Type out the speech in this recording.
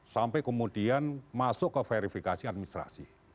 sampai kemudian masuk ke verifikasi administrasi